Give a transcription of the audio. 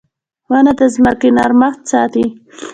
• ونه د ځمکې نرمښت ساتي.